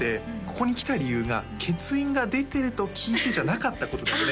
ここに来た理由が「欠員が出てると聞いて」じゃなかったことだよね